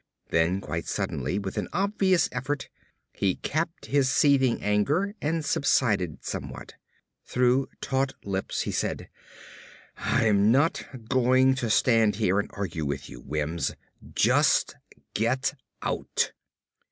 Then quite suddenly, with an obvious effort, he capped his seething anger and subsided somewhat. Through taut lips he said, "I'm not going to stand here and argue with you, Wims; just get out."